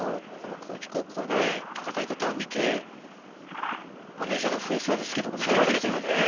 高知高校の戦い方を見て、マネージャーが増えそうですけれどもね。